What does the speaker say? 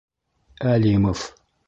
— Әлимов.